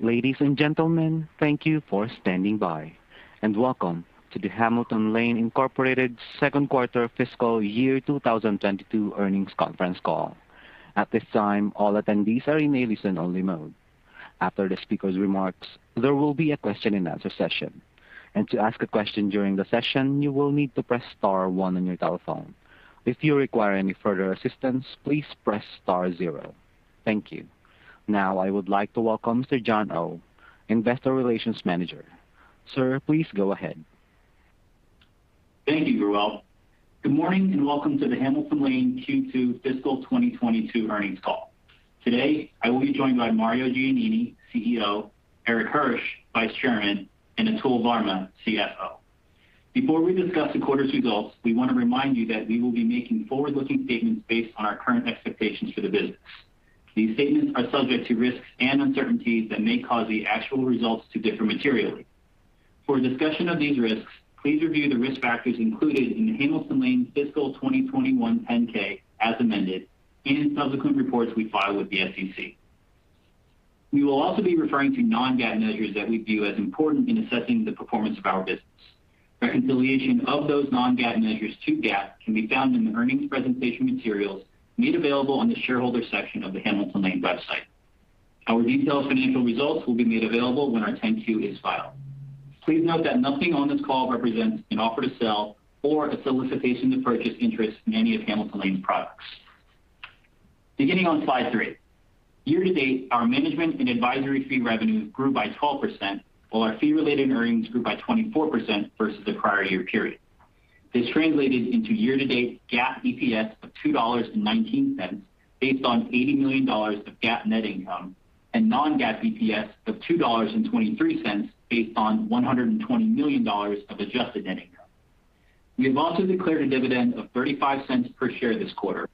Ladies and gentlemen, thank you for standing by, and welcome to the Hamilton Lane Incorporated Q2 fiscal year 2022 earnings conference call. At this time, all attendees are in a listen-only mode. After the speaker's remarks, there will be a question-and-answer session. To ask a question during the session, you will need to press star one on your telephone. If you require any further assistance, please press star zero. Thank you. Now I would like to welcome John Oh, Investor Relations Manager. Sir, please go ahead. Thank you, Ruel. Good morning and welcome to the Hamilton Lane Q2 fiscal 2022 earnings call. Today, I will be joined by Mario Giannini, CEO, Erik Hirsch, Vice Chairman, and Atul Varma, CFO. Before we discuss the quarter's results, we want to remind you that we will be making forward-looking statements based on our current expectations for the business. These statements are subject to risks and uncertainties that may cause the actual results to differ materially. For a discussion of these risks, please review the risk factors included in Hamilton Lane's fiscal 2021 10-K, as amended, and in subsequent reports we file with the SEC. We will also be referring to non-GAAP measures that we view as important in assessing the performance of our business. Reconciliation of those non-GAAP measures to GAAP can be found in the earnings presentation materials made available on the shareholder section of the Hamilton Lane website. Our detailed financial results will be made available when our 10-Q is filed. Please note that nothing on this call represents an offer to sell or a solicitation to purchase interest in any of Hamilton Lane's products. Beginning on slide 3. Year-to-date, our management and advisory fee revenue grew by 12%, while our fee-related earnings grew by 24% versus the prior year period. This translated into year-to-date GAAP EPS of $2.19 based on $80 million of GAAP net income and non-GAAP EPS of $2.23 based on $120 million of adjusted net income. We have also declared a dividend of $0.35 per share this quarter.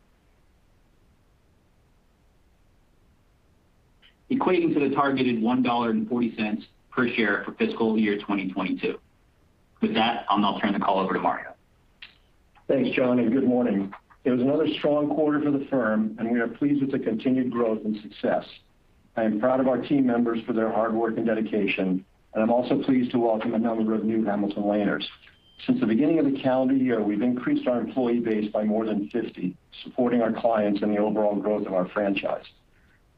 Equating to the targeted $1.40 per share for fiscal year 2022. With that, I'll now turn the call over to Mario. Thanks, John, and good morning. It was another strong quarter for the firm, and we are pleased with the continued growth and success. I am proud of our team members for their hard work and dedication, and I'm also pleased to welcome a number of new Hamilton Lanes. Since the beginning of the calendar year, we've increased our employee base by more than 50, supporting our clients and the overall growth of our franchise.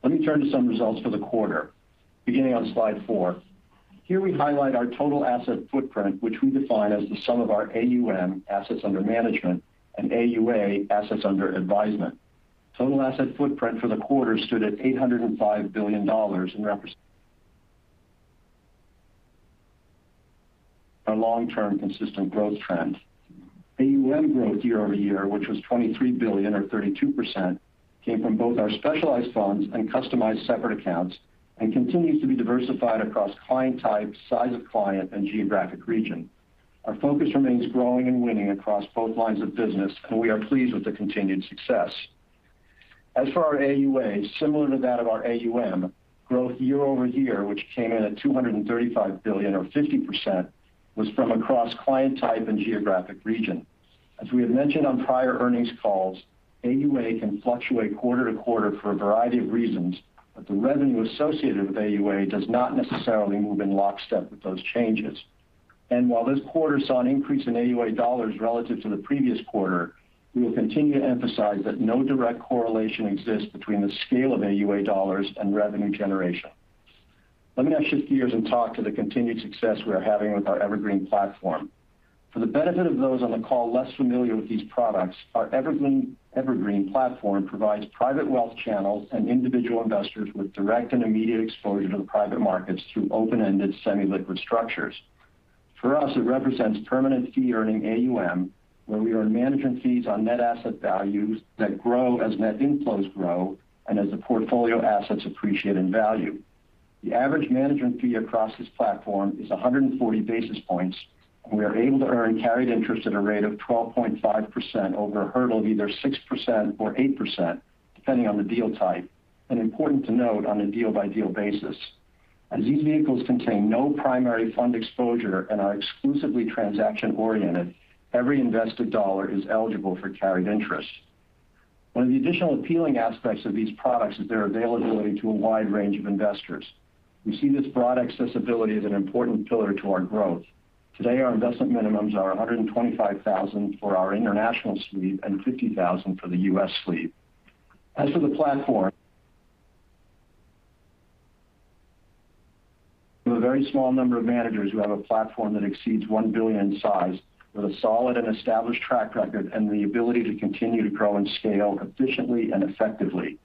Let me turn to some results for the quarter. Beginning on slide 4. Here we highlight our total asset footprint, which we define as the sum of our AUM, Assets Under Management, and AUA, Assets Under Advisement. Total asset footprint for the quarter stood at $805 billion and represents our long-term consistent growth trend. AUM growth year-over-year, which was $23 billion or 32%, came from both our specialized funds and customized separate accounts and continues to be diversified across client type, size of client, and geographic region. Our focus remains growing and winning across both lines of business, and we are pleased with the continued success. As for our AUA, similar to that of our AUM, growth year-over-year, which came in at $235 billion or 50%, was from across client type and geographic region. As we have mentioned on prior earnings calls, AUA can fluctuate quarter to quarter for a variety of reasons, but the revenue associated with AUA does not necessarily move in lockstep with those changes. While this quarter saw an increase in AUA dollars relative to the previous quarter, we will continue to emphasize that no direct correlation exists between the scale of AUA dollars and revenue generation. Let me now shift gears and talk to the continued success we are having with our Evergreen platform. For the benefit of those on the call less familiar with these products, our Evergreen platform provides private wealth channels and individual investors with direct and immediate exposure to the private markets through open-ended semi-liquid structures. For us, it represents permanent fee-earning AUM, where we earn management fees on net asset values that grow as net inflows grow and as the portfolio assets appreciate in value. The average management fee across this platform is 140 basis points, and we are able to earn carried interest at a rate of 12.5% over a hurdle of either 6% or 8%, depending on the deal type, and important to note on a deal-by-deal basis. As these vehicles contain no primary fund exposure and are exclusively transaction-oriented, every invested dollar is eligible for carried interest. One of the additional appealing aspects of these products is their availability to a wide range of investors. We see this broad accessibility as an important pillar to our growth. Today, our investment minimums are $125,000 for our international suite and $50,000 for the U.S. suite. As for the platform... For a very small number of managers, we have a platform that exceeds $1 billion in size with a solid and established track record and the ability to continue to grow and scale efficiently and effectively.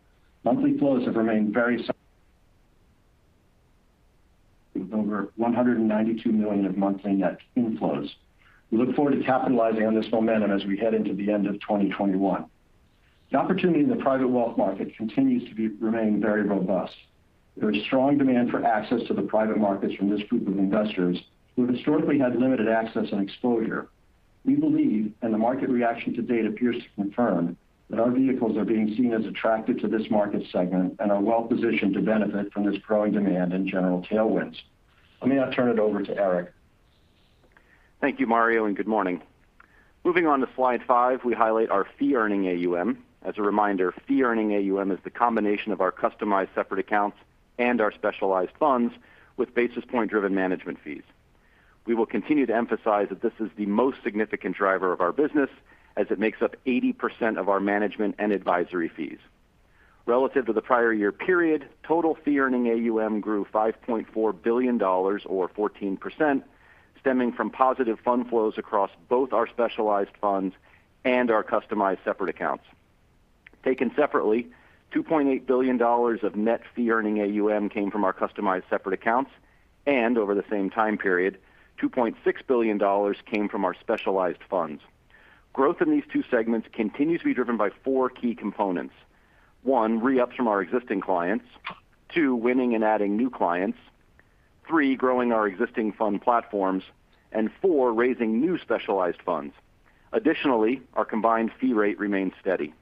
Monthly flows have remained very similar with over $192 million of monthly net inflows. We look forward to capitalizing on this momentum as we head into the end of 2021. The opportunity in the private wealth market continues to remain very robust. There is strong demand for access to the private markets from this group of investors who have historically had limited access and exposure. We believe, and the market reaction to date appears to confirm, that our vehicles are being seen as attractive to this market segment and are well positioned to benefit from this growing demand and general tailwinds. Let me now turn it over to Erik. Thank you, Mario, and good morning. Moving on to slide 5, we highlight our fee-earning AUM. As a reminder, fee-earning AUM is the combination of our customized separate accounts and our specialized funds with basis point driven management fees. We will continue to emphasize that this is the most significant driver of our business as it makes up 80% of our management and advisory fees. Relative to the prior year period, total fee-earning AUM grew $5.4 billion or 14%, stemming from positive fund flows across both our specialized funds and our customized separate accounts. Taken separately, $2.8 billion of net fee-earning AUM came from our customized separate accounts, and over the same time period, $2.6 billion came from our specialized funds. Growth in these two segments continues to be driven by four key components. 1, re-ups from our existing clients. 2, winning and adding new clients. 3, growing our existing fund platforms. 4, raising new specialized funds. Additionally, our combined fee rate remains steady.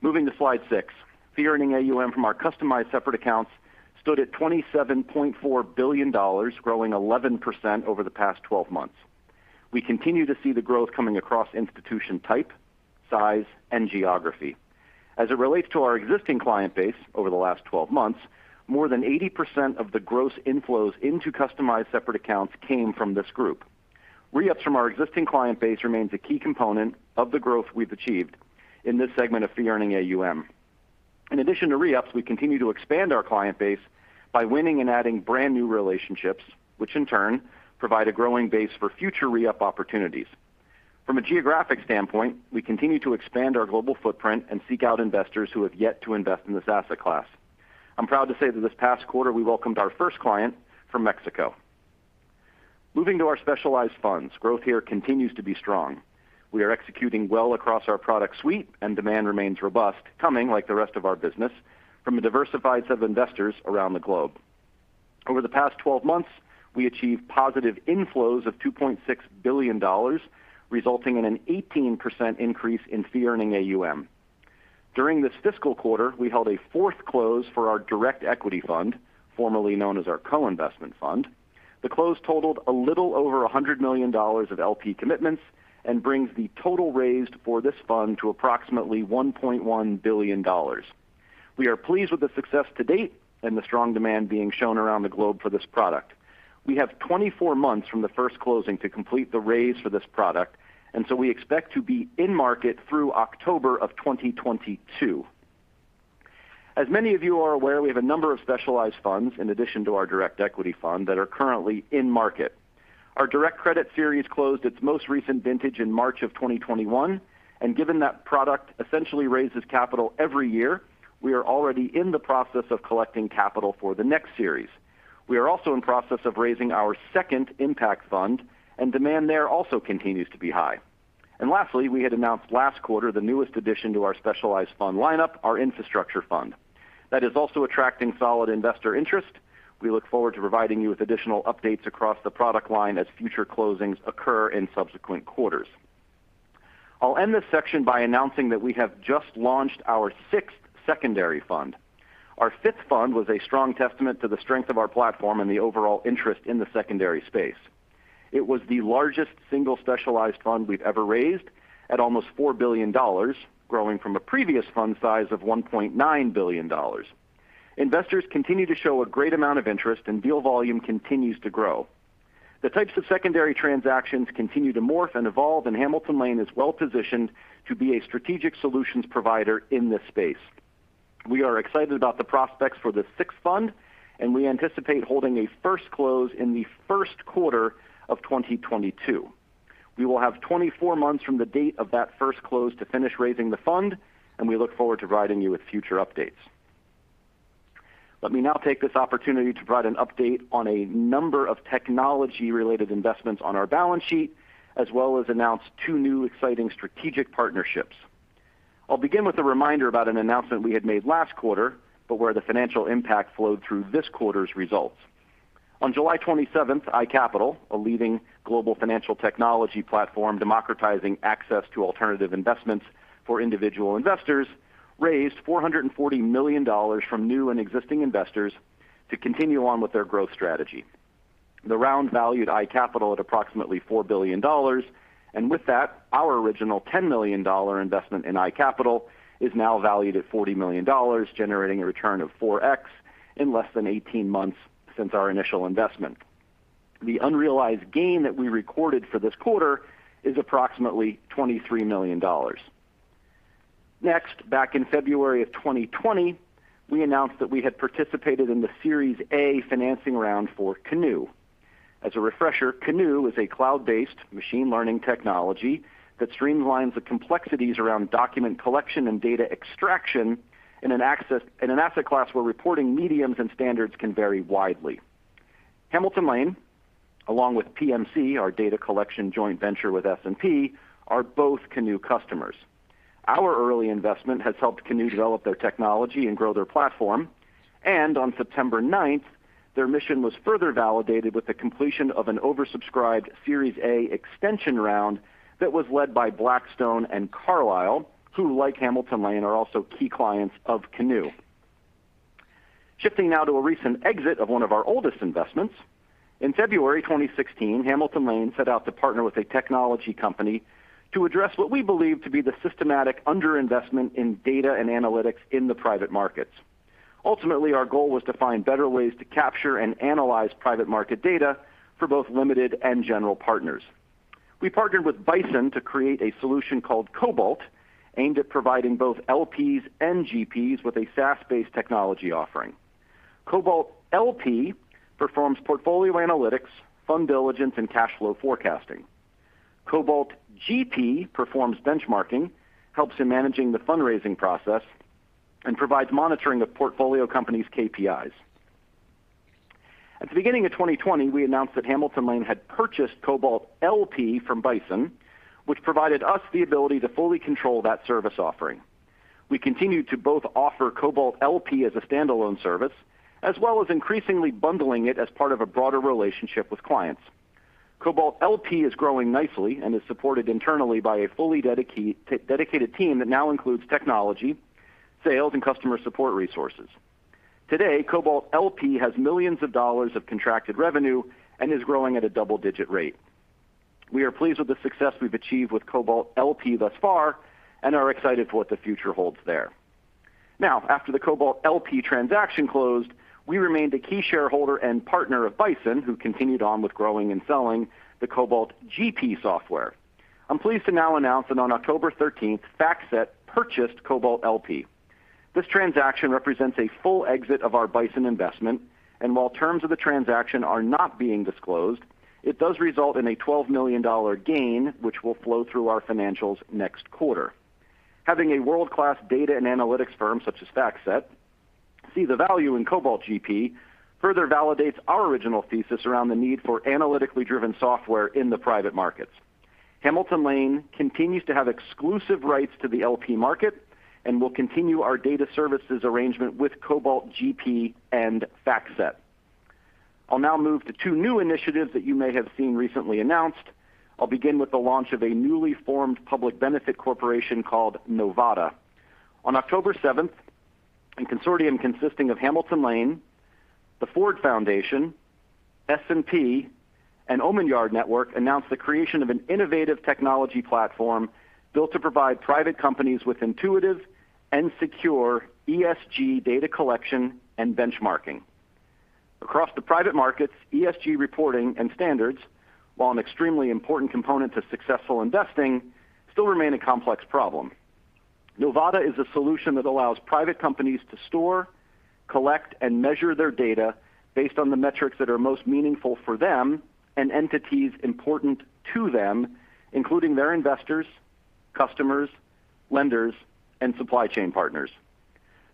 Moving to slide 6, fee-earning AUM from our customized separate accounts stood at $27.4 billion, growing 11% over the past 12 months. We continue to see the growth coming across institution type, size, and geography. As it relates to our existing client base over the last 12 months, more than 80% of the gross inflows into customized separate accounts came from this group. Re-ups from our existing client base remains a key component of the growth we've achieved in this segment of fee-earning AUM. In addition to re-ups, we continue to expand our client base by winning and adding brand new relationships, which in turn provide a growing base for future re-up opportunities. From a geographic standpoint, we continue to expand our global footprint and seek out investors who have yet to invest in this asset class. I'm proud to say that this past quarter we welcomed our first client from Mexico. Moving to our specialized funds, growth here continues to be strong. We are executing well across our product suite, and demand remains robust, coming like the rest of our business from a diversified set of investors around the globe. Over the past 12 months, we achieved positive inflows of $2.6 billion, resulting in an 18% increase in fee-earning AUM. During this fiscal quarter, we held a fourth close for our Direct Equity Fund, formerly known as our co-investment fund. The close totaled a little over $100 million of LP commitments and brings the total raised for this fund to approximately $1.1 billion. We are pleased with the success to date and the strong demand being shown around the globe for this product. We have 24 months from the first closing to complete the raise for this product, and so we expect to be in market through October 2022. As many of you are aware, we have a number of Specialized Funds in addition to our Direct Equity Fund that are currently in market. Our Direct Credit Series closed its most recent vintage in March 2021, and given that product essentially raises capital every year, we are already in the process of collecting capital for the next series. We are also in process of raising our second Impact Fund, and demand there also continues to be high. Lastly, we had announced last quarter the newest addition to our specialized fund lineup, our Infrastructure Fund. That is also attracting solid investor interest. We look forward to providing you with additional updates across the product line as future closings occur in subsequent quarters. I'll end this section by announcing that we have just launched our sixth Secondary Fund. Our fifth fund was a strong testament to the strength of our platform and the overall interest in the secondary space. It was the largest single specialized fund we've ever raised at almost $4 billion, growing from a previous fund size of $1.9 billion. Investors continue to show a great amount of interest, and deal volume continues to grow. The types of secondary transactions continue to morph and evolve, and Hamilton Lane is well positioned to be a strategic solutions provider in this space. We are excited about the prospects for the sixth fund, and we anticipate holding a first close in the Q1 of 2022. We will have 24 months from the date of that first close to finish raising the fund, and we look forward to providing you with future updates. Let me now take this opportunity to provide an update on a number of technology related investments on our balance sheet, as well as announce two new exciting strategic partnerships. I'll begin with a reminder about an announcement we had made last quarter, but where the financial impact flowed through this quarter's results. On July 27th, iCapital, a leading global financial technology platform democratizing access to alternative investments for individual investors, raised $440 million from new and existing investors to continue on with their growth strategy. The round valued iCapital at approximately $4 billion. With that, our original $10 million investment in iCapital is now valued at $40 million, generating a return of 4x in less than 18 months since our initial investment. The unrealized gain that we recorded for this quarter is approximately $23 million. Next, back in February of 2020, we announced that we had participated in the Series A financing round for Canoe. As a refresher, Canoe is a cloud-based machine learning technology that streamlines the complexities around document collection and data extraction in an asset class where reporting mediums and standards can vary widely. Hamilton Lane, along with PMC, our data collection joint venture with S&P, are both Canoe customers. Our early investment has helped Canoe develop their technology and grow their platform. On September 9, their mission was further validated with the completion of an oversubscribed Series A extension round that was led by Blackstone and Carlyle, who, like Hamilton Lane, are also key clients of Canoe. Shifting now to a recent exit of one of our oldest investments. In February 2016, Hamilton Lane set out to partner with a technology company to address what we believe to be the systematic under-investment in data and analytics in the private markets. Ultimately, our goal was to find better ways to capture and analyze private market data for both limited and general partners. We partnered with Bison to create a solution called Cobalt, aimed at providing both LPs and GPs with a SaaS-based technology offering. Cobalt LP performs portfolio analytics, fund diligence, and cash flow forecasting. Cobalt GP performs benchmarking, helps in managing the fundraising process, and provides monitoring of portfolio companies' KPIs. At the beginning of 2020, we announced that Hamilton Lane had purchased Cobalt LP from Bison, which provided us the ability to fully control that service offering. We continued to both offer Cobalt LP as a standalone service, as well as increasingly bundling it as part of a broader relationship with clients. Cobalt LP is growing nicely and is supported internally by a fully dedicated team that now includes technology, sales, and customer support resources. Today, Cobalt LP has millions of dollars of contracted revenue and is growing at a double-digit rate. We are pleased with the success we've achieved with Cobalt LP thus far and are excited for what the future holds there. Now, after the Cobalt LP transaction closed, we remained a key shareholder and partner of Bison, who continued on with growing and selling the Cobalt GP software. I'm pleased to now announce that on October 13th, FactSet purchased Cobalt LP. This transaction represents a full exit of our Bison investment, and while terms of the transaction are not being disclosed, it does result in a $12 million gain, which will flow through our financials next quarter. Having a world-class data and analytics firm such as FactSet see the value in Cobalt GP further validates our original thesis around the need for analytically driven software in the private markets. Hamilton Lane continues to have exclusive rights to the LP market and will continue our data services arrangement with Cobalt GP and FactSet. I'll now move to two new initiatives that you may have seen recently announced. I'll begin with the launch of a newly formed public benefit corporation called Novata. On October 7th, a consortium consisting of Hamilton Lane, the Ford Foundation, S&P, and Omidyar Network announced the creation of an innovative technology platform built to provide private companies with intuitive and secure ESG data collection and benchmarking. Across the private markets, ESG reporting and standards, while an extremely important component to successful investing, still remain a complex problem. Novata is a solution that allows private companies to store, collect, and measure their data based on the metrics that are most meaningful for them and entities important to them, including their investors, customers, lenders, and supply chain partners.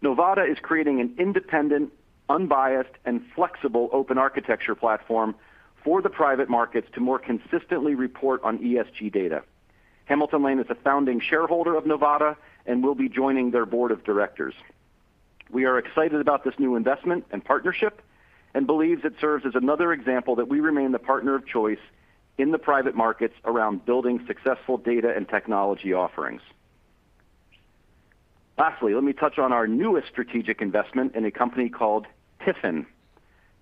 Novata is creating an independent, unbiased, and flexible open architecture platform for the private markets to more consistently report on ESG data. Hamilton Lane is a founding shareholder of Novata and will be joining their board of directors. We are excited about this new investment and partnership and believe it serves as another example that we remain the partner of choice in the private markets around building successful data and technology offerings. Lastly, let me touch on our newest strategic investment in a company called TIFIN.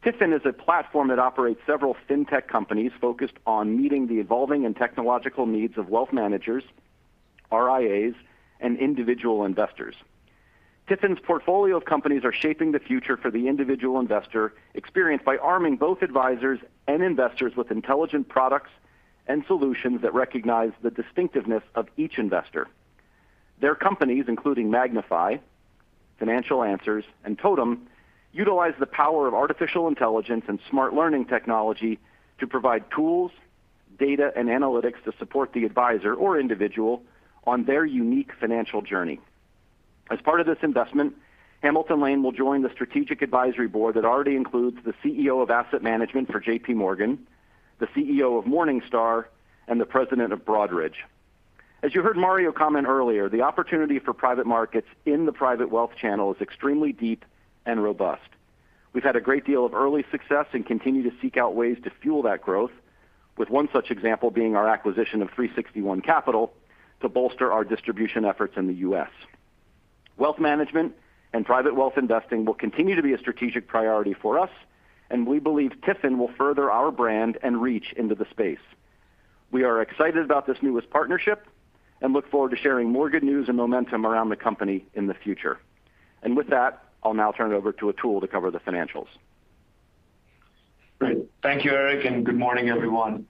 TIFIN is a platform that operates several fintech companies focused on meeting the evolving and technological needs of wealth managers, RIAs, and individual investors. TIFIN's portfolio of companies are shaping the future for the individual investor experience by arming both advisors and investors with intelligent products and solutions that recognize the distinctiveness of each investor. Their companies, including Magnifi, Financial Answers, and TOTUM, utilize the power of artificial intelligence and smart learning technology to provide tools, data, and analytics to support the advisor or individual on their unique financial journey. As part of this investment, Hamilton Lane will join the strategic advisory board that already includes the CEO of asset management for JPMorgan, the CEO of Morningstar, and the president of Broadridge. As you heard Mario comment earlier, the opportunity for private markets in the private wealth channel is extremely deep and robust. We've had a great deal of early success and continue to seek out ways to fuel that growth, with one such example being our acquisition of 361 Capital to bolster our distribution efforts in the U.S. Wealth management and private wealth investing will continue to be a strategic priority for us, and we believe TIFIN will further our brand and reach into the space. We are excited about this newest partnership and look forward to sharing more good news and momentum around the company in the future. With that, I'll now turn it over to Atul to cover the financials. Great. Thank you, Erik, and good morning, everyone.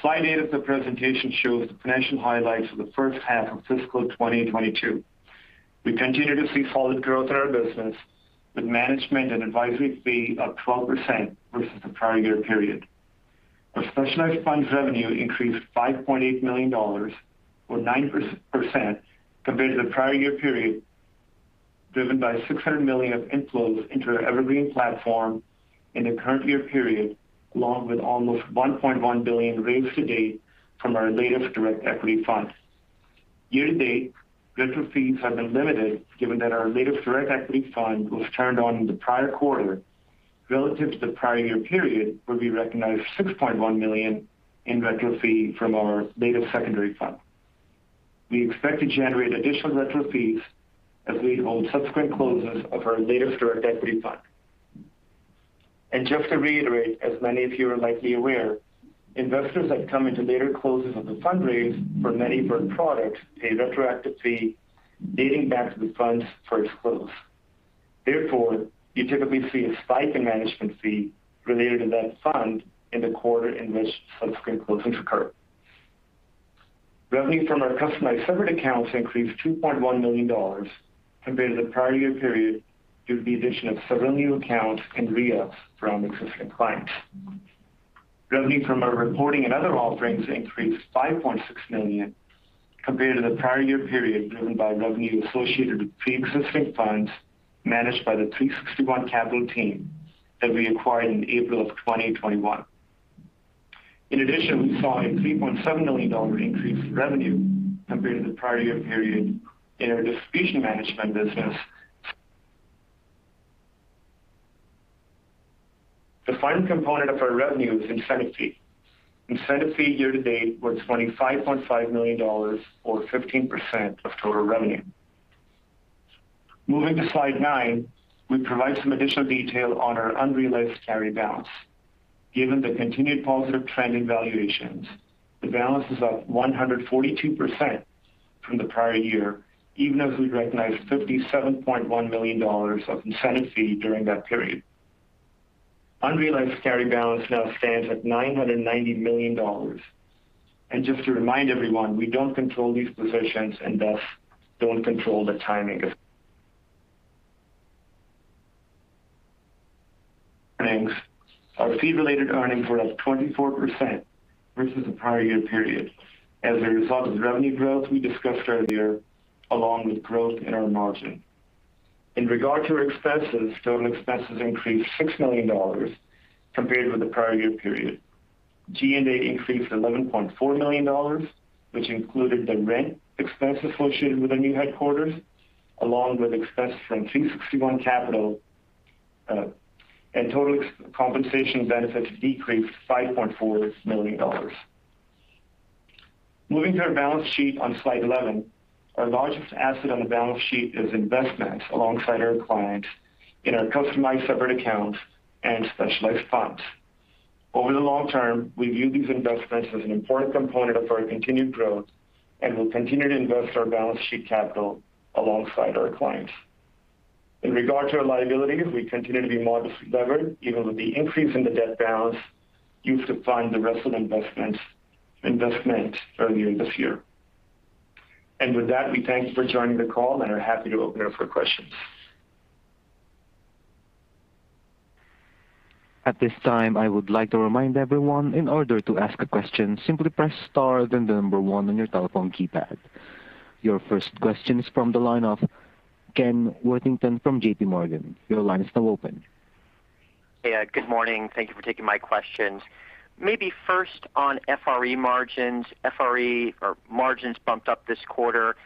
Slide 8 of the presentation shows the financial highlights for the first half of fiscal 2022. We continue to see solid growth in our business with management and advisory fee up 12% versus the prior year period. Our specialized funds revenue increased $5.8 million or 9% compared to the prior year period, driven by $600 million of inflows into our Evergreen platform in the current year period, along with almost $1.1 billion raised to date from our latest direct equity fund. Year to date, retro fees have been limited, given that our latest Direct Equity Fund was turned on in the prior quarter relative to the prior year period, where we recognized $6.1 million in retro fee from our latest secondary fund. We expect to generate additional retro fees as we hold subsequent closes of our latest Direct Equity Fund. Just to reiterate, as many of you are likely aware, investors that come into later closes of the fundraise for many fund products pay a retroactive fee dating back to the fund's first close. Therefore, you typically see a spike in management fee related to that fund in the quarter in which subsequent closings occur. Revenue from our customized separate accounts increased $2.1 million compared to the prior year period due to the addition of several new accounts and re-ups from existing clients. Revenue from our reporting and other offerings increased $5.6 million compared to the prior year period, driven by revenue associated with pre-existing funds managed by the 361 Capital team that we acquired in April 2021. In addition, we saw a $3.7 million increase in revenue compared to the prior year period in our distribution management business. The final component of our revenue is incentive fee. Incentive fee year to date was $25.5 million or 15% of total revenue. Moving to slide 9, we provide some additional detail on our unrealized carry balance. Given the continued positive trending valuations, the balance is up 142% from the prior year, even as we recognized $57.1 million of incentive fee during that period. Unrealized carry balance now stands at $999 million. Just to remind everyone, we don't control these positions and thus don't control the timing of earnings. Our fee-related earnings were up 24% versus the prior year period. As a result of the revenue growth we discussed earlier, along with growth in our margin. In regard to our expenses, total expenses increased $6 million compared with the prior year period. G&A increased $11.4 million, which included the rent expense associated with our new headquarters, along with expenses from 361 Capital, and total ex-compensation benefits decreased $5.4 million. Moving to our balance sheet on slide 11. Our largest asset on the balance sheet is investments alongside our clients in our customized separate accounts and specialized funds. Over the long term, we view these investments as an important component of our continued growth and will continue to invest our balance sheet capital alongside our clients. In regard to our liabilities, we continue to be modestly levered, even with the increase in the debt balance used to fund the rest of investment earlier this year. With that, we thank you for joining the call and are happy to open it up for questions. At this time, I would like to remind everyone, in order to ask a question, simply press star then the number 1 on your telephone keypad. Your first question is from the line of Ken Worthington from JPMorgan. Your line is now open. Hey, good morning. Thank you for taking my questions. Maybe first on FRE margins. FRE margins bumped up this quarter.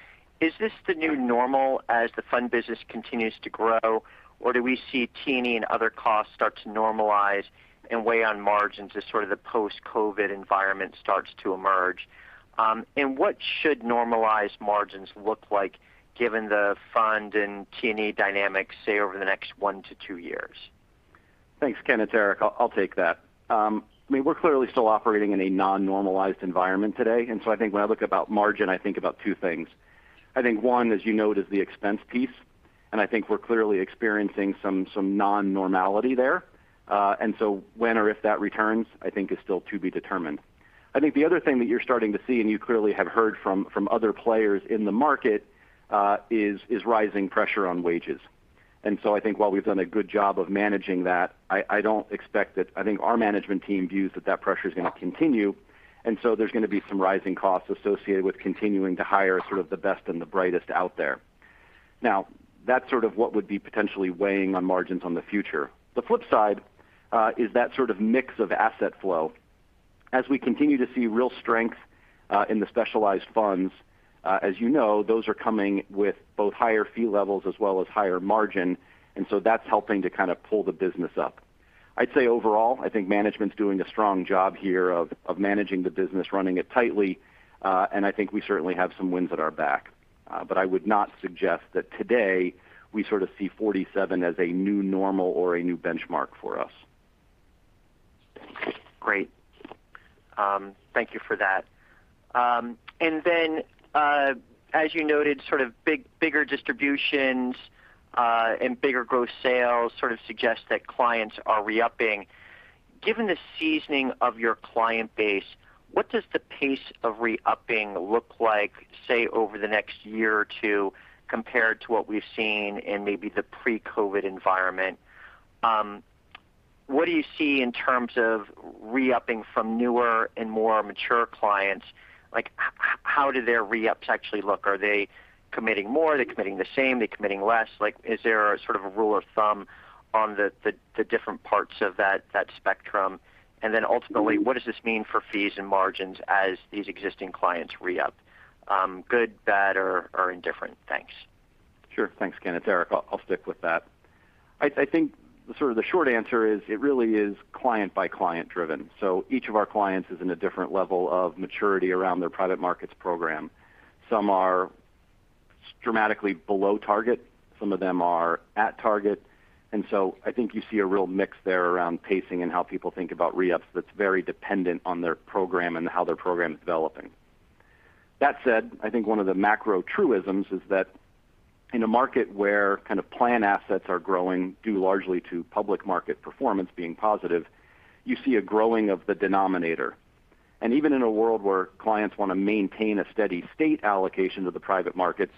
Is this the new normal as the fund business continues to grow? Or do we see T&E and other costs start to normalize and weigh on margins as sort of the post-COVID environment starts to emerge? What should normalized margins look like given the fund and T&E dynamics, say, over the next 1-2 years? Thanks, Ken. It's Erik. I'll take that. I mean, we're clearly still operating in a non-normalized environment today. I think when I look about margin, I think about two things. I think one, as you noted, is the expense piece. I think we're clearly experiencing some non-normality there. When or if that returns, I think is still to be determined. I think the other thing that you're starting to see, and you clearly have heard from other players in the market, is rising pressure on wages. I think while we've done a good job of managing that, I don't expect that. I think our management team views that pressure is going to continue. There's going to be some rising costs associated with continuing to hire sort of the best and the brightest out there. Now, that's sort of what would be potentially weighing on margins on the future. The flip side is that sort of mix of asset flow. As we continue to see real strength in the specialized funds, as you know, those are coming with both higher fee levels as well as higher margin. That's helping to kind of pull the business up. I'd say overall, I think management's doing a strong job here of managing the business, running it tightly. I think we certainly have some winds at our back. I would not suggest that today we sort of see 47% as a new normal or a new benchmark for us. Great. Thank you for that. As you noted, sort of bigger distributions and bigger gross sales sort of suggest that clients are re-upping. Given the seasoning of your client base, what does the pace of re-upping look like, say, over the next year or two compared to what we've seen in maybe the pre-COVID environment? What do you see in terms of re-upping from newer and more mature clients? Like, how do their re-ups actually look? Are they committing more? Are they committing the same? Are they committing less? Like, is there a sort of a rule of thumb on the different parts of that spectrum? Ultimately, what does this mean for fees and margins as these existing clients re-up? Good, bad, or indifferent? Thanks. Sure. Thanks, Ken. It's Erik. I'll stick with that. I think the sort of short answer is it really is client by client driven. Each of our clients is in a different level of maturity around their private markets program. Some are dramatically below target, some of them are at target. I think you see a real mix there around pacing and how people think about re-ups that's very dependent on their program and how their program is developing. That said, I think one of the macro truisms is that in a market where kind of plan assets are growing due largely to public market performance being positive, you see a growing of the denominator. Even in a world where clients want to maintain a steady state allocation to the private markets,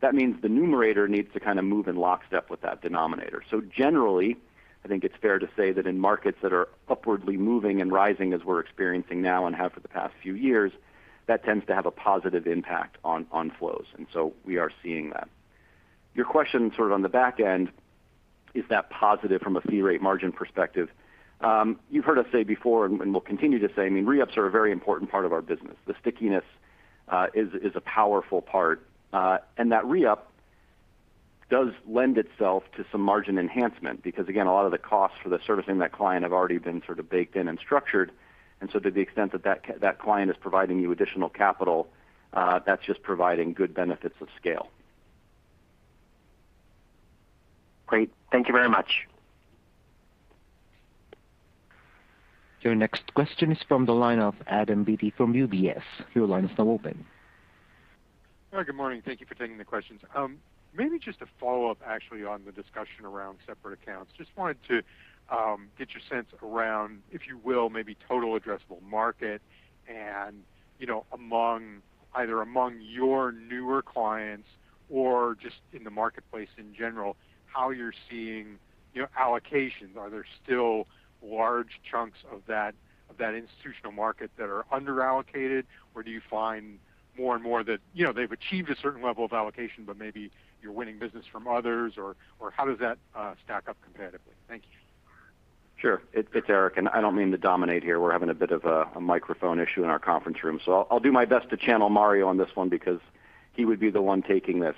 that means the numerator needs to kind of move in lockstep with that denominator. Generally, I think it's fair to say that in markets that are upwardly moving and rising as we're experiencing now and have for the past few years, that tends to have a positive impact on flows. We are seeing that. Your question sort of on the back end, is that positive from a fee rate margin perspective? You've heard us say before, and we'll continue to say, I mean, re-ups are a very important part of our business. The stickiness is a powerful part. That re-up does lend itself to some margin enhancement because again, a lot of the costs for the servicing that client have already been sort of baked in and structured. To the extent that that client is providing you additional capital, that's just providing good benefits of scale. Great. Thank you very much. Your next question is from the line of Adam Beatty from UBS. Your line is now open. Hi, good morning. Thank you for taking the questions. Maybe just a follow-up actually on the discussion around separate accounts. Just wanted to get your sense around, if you will, maybe total addressable market and, you know, among either your newer clients or just in the marketplace in general, how you're seeing, you know, allocations. Are there still large chunks of that institutional market that are underallocated? Or do you find more and more that, you know, they've achieved a certain level of allocation, but maybe you're winning business from others or how does that stack up competitively? Thank you. Sure. It's Erik, and I don't mean to dominate here. We're having a bit of a microphone issue in our conference room, so I'll do my best to channel Mario on this one because he would be the one taking this.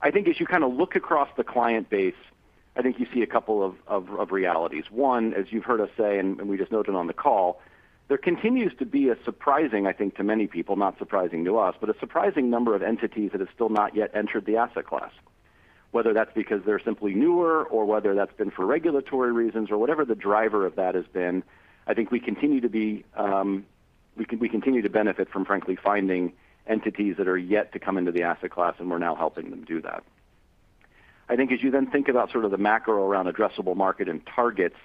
I think as you kind of look across the client base, I think you see a couple of realities. One, as you've heard us say, and we just noted on the call, there continues to be a surprising, I think to many people, not surprising to us, but a surprising number of entities that have still not yet entered the asset class. Whether that's because they're simply newer or whether that's been for regulatory reasons or whatever the driver of that has been, I think we continue to be, we continue to benefit from frankly finding entities that are yet to come into the asset class, and we're now helping them do that. I think as you then think about sort of the macro around addressable market and targets,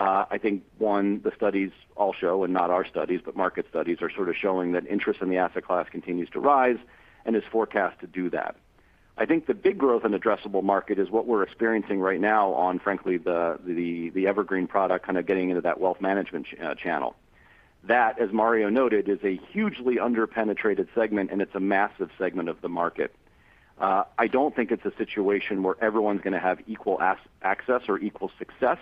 I think one, the studies all show, and not our studies, but market studies are sort of showing that interest in the asset class continues to rise and is forecast to do that. I think the big growth in addressable market is what we're experiencing right now on, frankly, the Evergreen product kind of getting into that wealth management channel. That, as Mario noted, is a hugely under-penetrated segment, and it's a massive segment of the market. I don't think it's a situation where everyone's going to have equal access or equal success.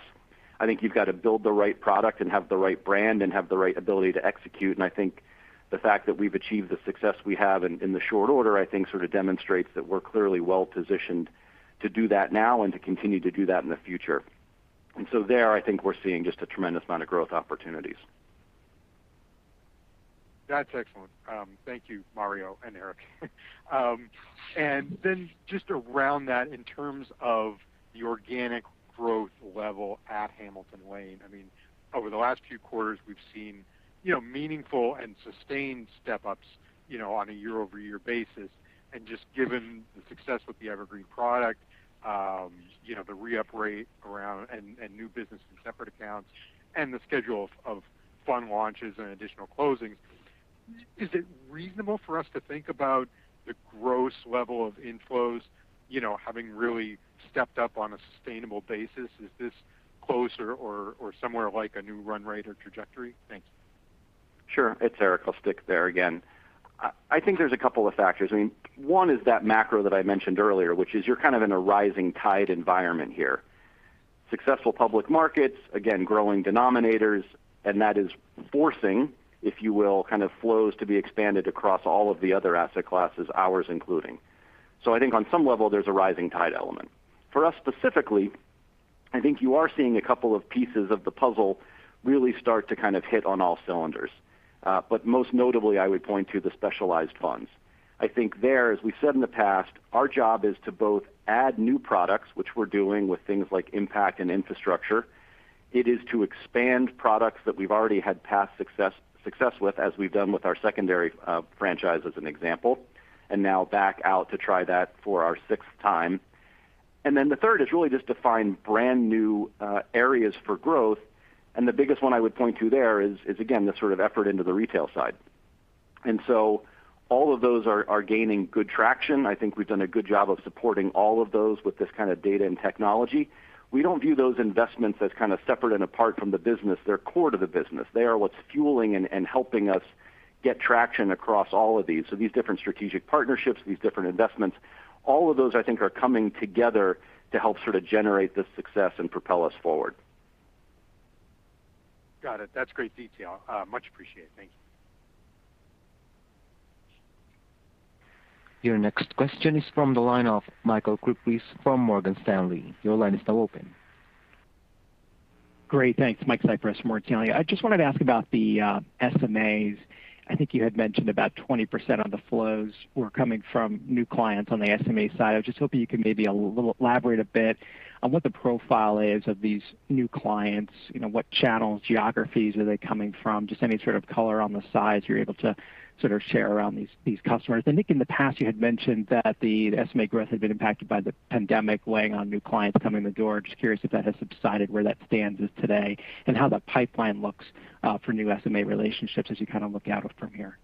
I think you've got to build the right product and have the right brand and have the right ability to execute. I think the fact that we've achieved the success we have in short order sort of demonstrates that we're clearly well-positioned to do that now and to continue to do that in the future. I think we're seeing just a tremendous amount of growth opportunities. That's excellent. Thank you, Mario and Erik. Then just around that, in terms of the organic growth level at Hamilton Lane, I mean, over the last few quarters, we've seen, you know, meaningful and sustained step-ups, you know, on a year-over-year basis. Just given the success with the Evergreen product, you know, the re-up rate around and new business from separate accounts and the schedule of fund launches and additional closings, is it reasonable for us to think about the gross level of inflows, you know, having really stepped up on a sustainable basis? Is this closer or somewhere like a new run rate or trajectory? Thanks. Sure. It's Erik. I'll stick to that again. I think there's a couple of factors. I mean, one is that macro that I mentioned earlier, which is you're kind of in a rising tide environment here. Successful public markets, again, growing denominators, and that is forcing, if you will, kind of flows to be expanded across all of the other asset classes, ours including. I think on some level, there's a rising tide element. For us specifically, I think you are seeing a couple of pieces of the puzzle really start to kind of hit on all cylinders. But most notably, I would point to the specialized funds. I think there, as we've said in the past, our job is to both add new products, which we're doing with things like Impact and Infrastructure. It is to expand products that we've already had past success with as we've done with our secondary franchise as an example, and now back out to try that for our sixth time. The third is really just to find brand new areas for growth. The biggest one I would point to there is again the sort of effort into the retail side. All of those are gaining good traction. I think we've done a good job of supporting all of those with this kind of data and technology. We don't view those investments as kind of separate and apart from the business. They're core to the business. They are what's fueling and helping us get traction across all of these. These different strategic partnerships, these different investments, all of those I think are coming together to help sort of generate this success and propel us forward. Got it. That's great detail. Much appreciated. Thank you. Your next question is from the line of Michael Cyprys from Morgan Stanley. Your line is now open. Great, thanks. Mike Cyprys from Morgan Stanley. I just wanted to ask about the SMAs. I think you had mentioned about 20% of the flows were coming from new clients on the SMA side. I was just hoping you could maybe a little elaborate a bit on what the profile is of these new clients. You know, what channels, geographies are they coming from? Just any sort of color on the size you're able to sort of share around these customers. I think in the past you had mentioned that the SMA growth had been impacted by the pandemic weighing on new clients coming in the door. Just curious if that has subsided, where that stands today, and how that pipeline looks for new SMA relationships as you kind of look out from here.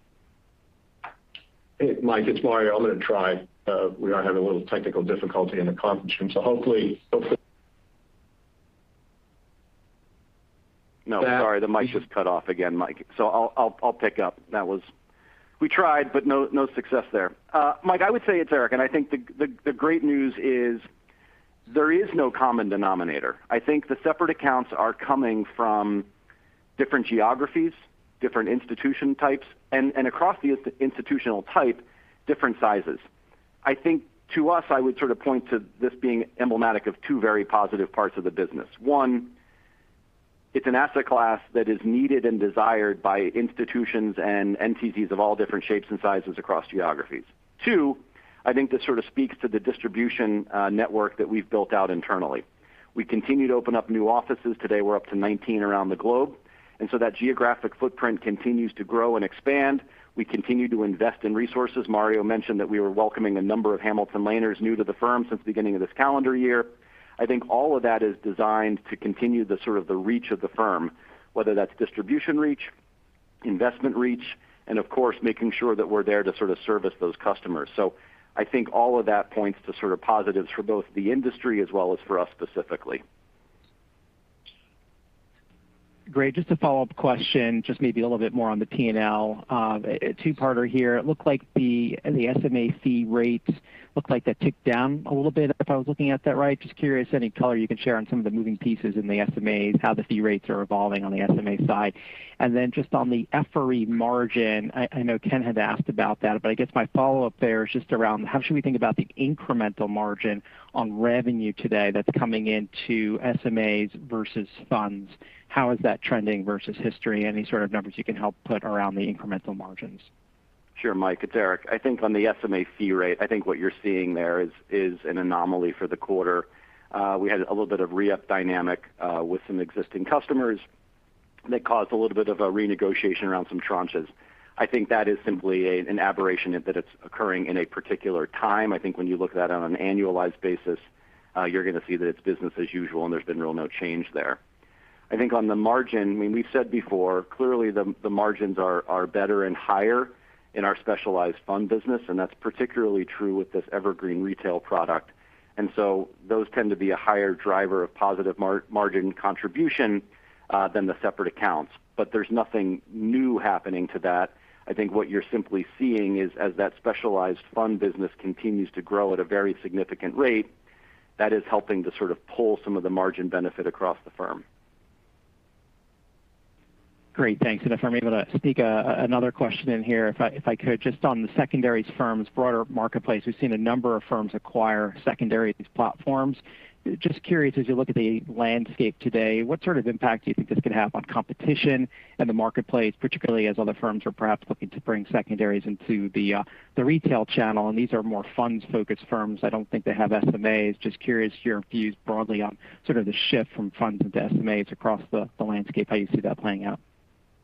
Hey, Mike, it's Mario. I'm going to try. We are having a little technical difficulty in the conference room, so hopefully. No, sorry. The mic just cut off again, Mike. I'll pick up. That was. We tried, but no success there. Mike, I would say it's Erik, and I think the great news is there is no common denominator. I think the separate accounts are coming from different geographies, different institution types, and across the institutional type, different sizes. I think to us, I would sort of point to this being emblematic of two very positive parts of the business. One, it's an asset class that is needed and desired by institutions and LPs of all different shapes and sizes across geographies. Two, I think this sort of speaks to the distribution network that we've built out internally. We continue to open up new offices. Today, we're up to 19 around the globe, and so that geographic footprint continues to grow and expand. We continue to invest in resources. Mario mentioned that we were welcoming a number of Hamilton Lanes new to the firm since the beginning of this calendar year. I think all of that is designed to continue the sort of the reach of the firm, whether that's distribution reach, investment reach, and of course, making sure that we're there to sort of service those customers. I think all of that points to sort of positives for both the industry as well as for us specifically. Great. Just a follow-up question, just maybe a little bit more on the P&L. A two-parter here. It looked like the SMA fee rates looked like that ticked down a little bit if I was looking at that right. Just curious any color you can share on some of the moving pieces in the SMAs, how the fee rates are evolving on the SMA side. Just on the FRE margin, I know Ken had asked about that, but I guess my follow-up there is just around how should we think about the incremental margin on revenue today that's coming into SMAs versus funds. How is that trending versus history? Any sort of numbers you can help put around the incremental margins? Sure, Mike, it's Erik. I think on the SMA fee rate, I think what you're seeing there is an anomaly for the quarter. We had a little bit of re-up dynamic with some existing customers that caused a little bit of a renegotiation around some tranches. I think that is simply an aberration that it's occurring in a particular time. I think when you look at that on an annualized basis, you're going to see that it's business as usual, and there's been really no change there. I think on the margin, I mean, we've said before, clearly the margins are better and higher in our specialized fund business, and that's particularly true with this Evergreen retail product. Those tend to be a higher driver of positive margin contribution than the separate accounts. There's nothing new happening to that. I think what you're simply seeing is as that specialized fund business continues to grow at a very significant rate, that is helping to sort of pull some of the margin benefit across the firm. Great. Thanks. If I'm able to sneak another question in here, if I could, just on the secondaries firms, broader marketplace, we've seen a number of firms acquire secondary platforms. Just curious, as you look at the landscape today, what sort of impact do you think this could have on competition and the marketplace, particularly as other firms are perhaps looking to bring secondaries into the retail channel? These are more funds-focused firms. I don't think they have SMAs. Just curious to hear your views broadly on sort of the shift from funds to the SMAs across the landscape, how you see that playing out.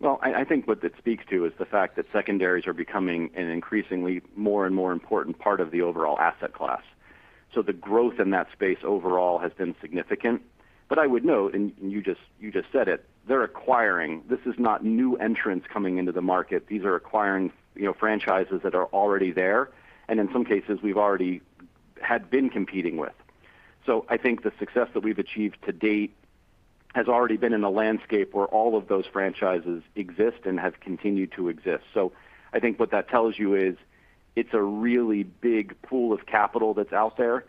I think what this speaks to is the fact that secondaries are becoming an increasingly more and more important part of the overall asset class. The growth in that space overall has been significant. I would note, and you just said it, they're acquiring. This is not new entrants coming into the market. These are acquiring, you know, franchises that are already there, and in some cases we've already had been competing with. I think the success that we've achieved to date has already been in a landscape where all of those franchises exist and have continued to exist. I think what that tells you is it's a really big pool of capital that's out there.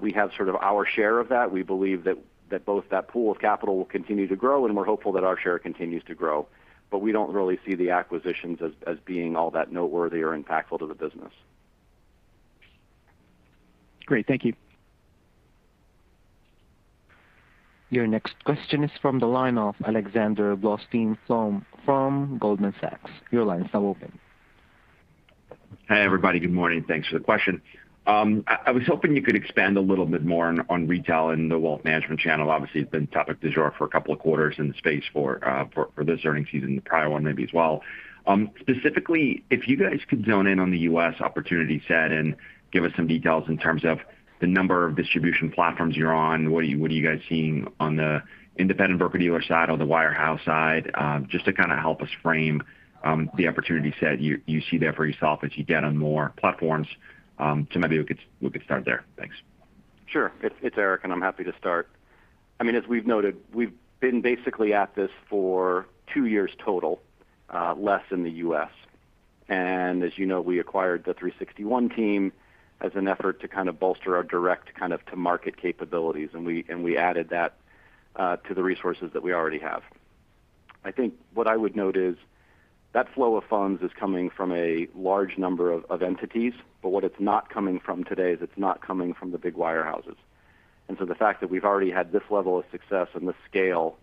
We have sort of our share of that. We believe that both that pool of capital will continue to grow, and we're hopeful that our share continues to grow. We don't really see the acquisitions as being all that noteworthy or impactful to the business. Great. Thank you. Your next question is from the line of Alexander Blostein from Goldman Sachs. Your line is now open. Hi, everybody. Good morning. Thanks for the question. I was hoping you could expand a little bit more on retail and the wealth management channel. Obviously, it's been topic du jour for a couple of quarters in the space for this earnings season, the prior one maybe as well. Specifically, if you guys could zone in on the U.S. opportunity set and give us some details in terms of the number of distribution platforms you're on. What are you guys seeing on the independent broker-dealer side or the wire house side? Just to kind of help us frame the opportunity set you see there for yourself as you get on more platforms. Maybe we could start there. Thanks. Sure. It's Erik, and I'm happy to start. I mean, as we've noted, we've been basically at this for 2 years total, less in the U.S. As you know, we acquired the 361 Capital team as an effort to kind of bolster our direct-to-market capabilities, and we added that to the resources that we already have. I think what I would note is that flow of funds is coming from a large number of entities. But what it's not coming from today is it's not coming from the big wire houses. The fact that we've already had this level of success and this scale,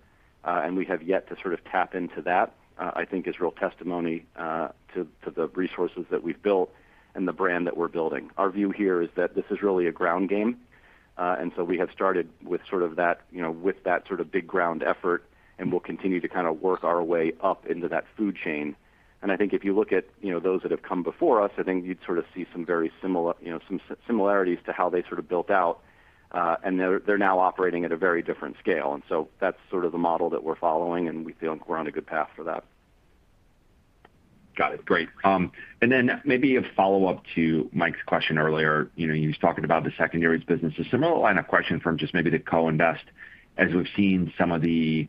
and we have yet to sort of tap into that, I think is real testimony to the resources that we've built and the brand that we're building. Our view here is that this is really a ground game. We have started with sort of that, you know, with that sort of big ground effort, and we'll continue to kind of work our way up into that food chain. I think if you look at, you know, those that have come before us, I think you'd sort of see some very similar, you know, some similarities to how they sort of built out. They're now operating at a very different scale. That's sort of the model that we're following, and we feel we're on a good path for that. Got it. Great. Then maybe a follow-up to Mike's question earlier. You know, he was talking about the secondaries business. A similar line of questioning from just maybe the co-invest. As we've seen some of the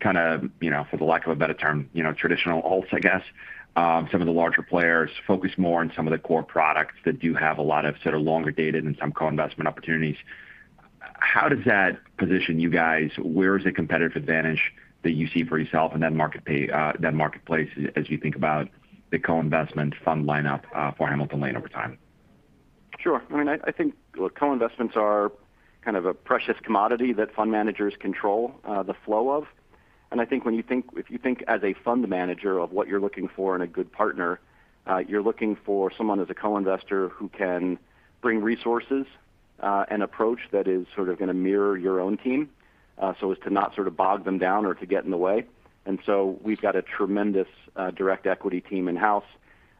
kind of, you know, for the lack of a better term, you know, traditional alts, I guess, some of the larger players focus more on some of the core products that do have a lot of sort of longer dated and some co-investment opportunities. How does that position you guys? Where is the competitive advantage that you see for yourself in that marketplace as you think about the co-investment fund lineup for Hamilton Lane over time? Sure. I mean, I think, look, co-investments are kind of a precious commodity that fund managers control, the flow of. I think if you think as a fund manager of what you're looking for in a good partner, you're looking for someone as a co-investor who can bring resources, an approach that is sort of gonna mirror your own team, so as to not sort of bog them down or to get in the way. We've got a tremendous, direct equity team in-house,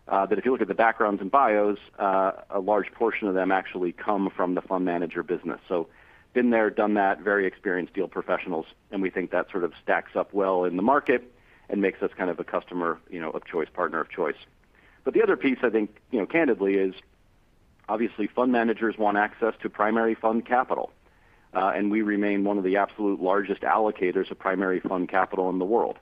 that if you look at the backgrounds and bios, a large portion of them actually come from the fund manager business. Been there, done that, very experienced deal professionals, and we think that sort of stacks up well in the market and makes us kind of a customer, you know, of choice, partner of choice. The other piece I think, you know, candidly is obviously fund managers want access to primary fund capital, and we remain one of the absolute largest allocators of primary fund capital in the world.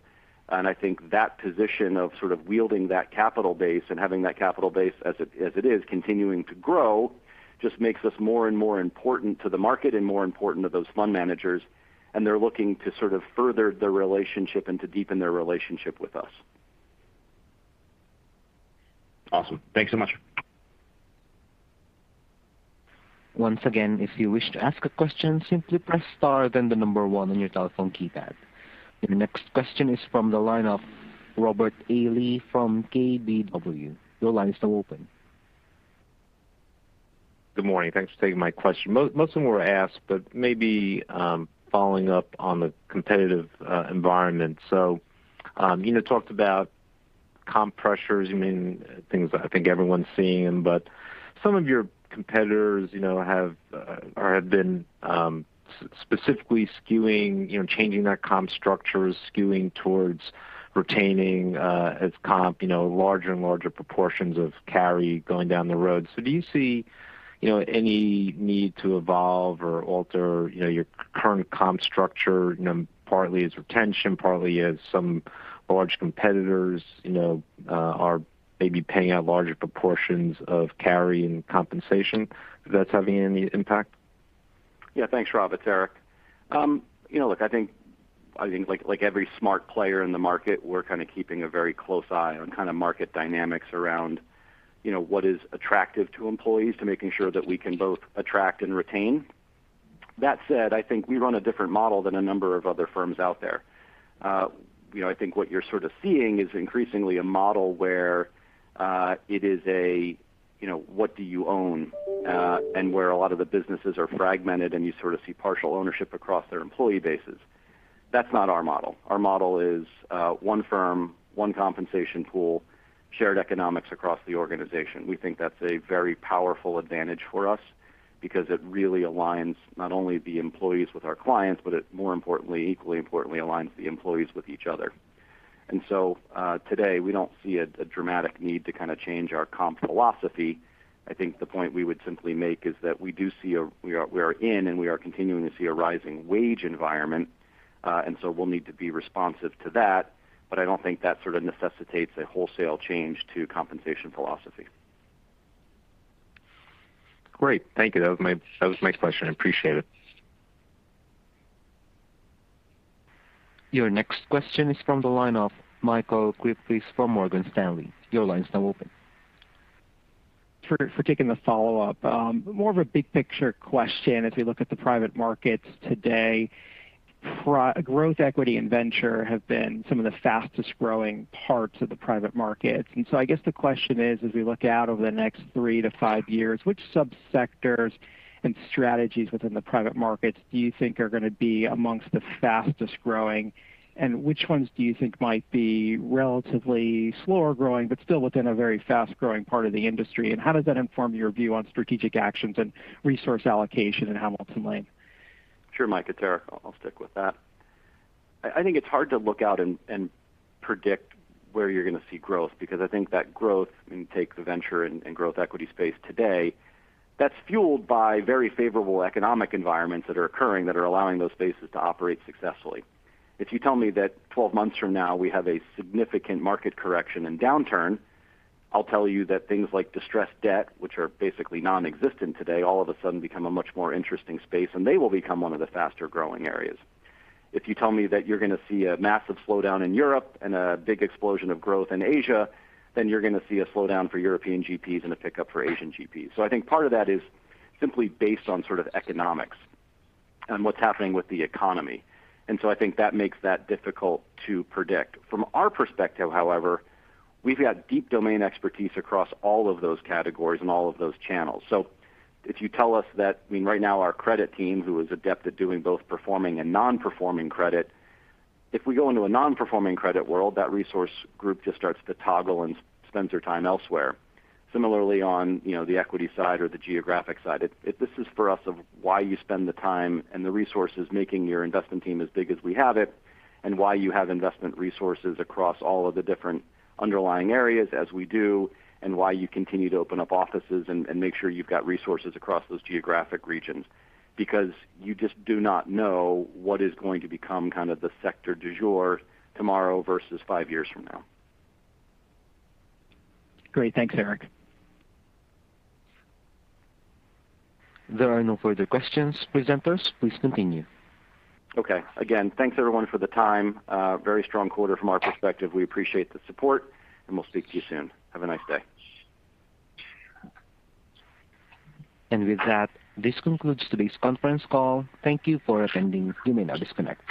I think that position of sort of wielding that capital base and having that capital base as it is continuing to grow just makes us more and more important to the market and more important to those fund managers, and they're looking to sort of further their relationship and to deepen their relationship with us. Awesome. Thanks so much. Once again, if you wish to ask a question, simply press star then 1 on your telephone keypad. Your next question is from the line of Robert Lee from KBW. Your line is now open. Good morning. Thanks for taking my question. Most of them were asked, but maybe following up on the competitive environment. You know, talked about comp pressures. You mentioned things that I think everyone's seeing. Some of your competitors, you know, have been specifically skewing, you know, changing their comp structures, skewing towards retaining as comp, you know, larger and larger proportions of carry going down the road. Do you see, you know, any need to evolve or alter, you know, your current comp structure, you know, partly as retention, partly as some large competitors, you know, are maybe paying out larger proportions of carry and compensation if that's having any impact? Yeah. Thanks, Robert. It's Erik. You know, look, I think like every smart player in the market, we're kind of keeping a very close eye on kind of market dynamics around, you know, what is attractive to employees to making sure that we can both attract and retain. That said, I think we run a different model than a number of other firms out there. You know, I think what you're sort of seeing is increasingly a model where it is a, you know, what do you own, and where a lot of the businesses are fragmented, and you sort of see partial ownership across their employee bases. That's not our model. Our model is one firm, one compensation pool, shared economics across the organization. We think that's a very powerful advantage for us because it really aligns not only the employees with our clients, but it more importantly, equally importantly, aligns the employees with each other. Today, we don't see a dramatic need to kind of change our comp philosophy. I think the point we would simply make is that we are in and we are continuing to see a rising wage environment, and we'll need to be responsive to that, but I don't think that sort of necessitates a wholesale change to compensation philosophy. Great. Thank you. That was my question. Appreciate it. Your next question is from the line of Michael Cyprys from Morgan Stanley. Your line is now open. For taking the follow-up. More of a big picture question as we look at the private markets today. Growth equity and venture have been some of the fastest growing parts of the private markets. I guess the question is, as we look out over the next three to five years, which subsectors and strategies within the private markets do you think are gonna be amongst the fastest growing, and which ones do you think might be relatively slower growing but still within a very fast growing part of the industry? How does that inform your view on strategic actions and resource allocation in Hamilton Lane? Sure, Mike. It's Erik. I'll stick with that. I think it's hard to look out and predict where you're gonna see growth because I think that growth can take the venture and growth equity space today. That's fueled by very favorable economic environments that are occurring that are allowing those spaces to operate successfully. If you tell me that 12 months from now we have a significant market correction and downturn, I'll tell you that things like distressed debt, which are basically nonexistent today, all of a sudden become a much more interesting space, and they will become one of the faster-growing areas. If you tell me that you're gonna see a massive slowdown in Europe and a big explosion of growth in Asia, then you're gonna see a slowdown for European GPs and a pickup for Asian GPs. I think part of that is simply based on sort of economics and what's happening with the economy. I think that makes that difficult to predict. From our perspective, however, we've got deep domain expertise across all of those categories and all of those channels. If you tell us that, I mean, right now our credit team, who is adept at doing both performing and non-performing credit, if we go into a non-performing credit world, that resource group just starts to toggle and spends their time elsewhere. Similarly, on, you know, the equity side or the geographic side. This is for us of why you spend the time and the resources making your investment team as big as we have it, and why you have investment resources across all of the different underlying areas as we do, and why you continue to open up offices and make sure you've got resources across those geographic regions. Because you just do not know what is going to become kind of the sector du jour tomorrow versus five years from now. Great. Thanks, Erik. There are no further questions. Presenters, please continue. Okay. Again, thanks everyone for the time. Very strong quarter from our perspective. We appreciate the support, and we'll speak to you soon. Have a nice day. With that, this concludes today's conference call. Thank you for attending. You may now disconnect.